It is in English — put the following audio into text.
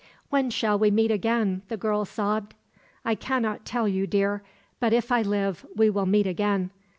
"When shall we meet again?" the girl sobbed. "I cannot tell you, dear; but if I live, we will meet again.